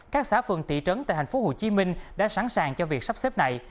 các xã phường thị trấn tại tp hcm đã sẵn sàng cho việc sắp xếp này